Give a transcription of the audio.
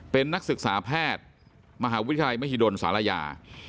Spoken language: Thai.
เป็นนักศึกษาแพทย์มหาวิทยาลัยมหิดลศาลายา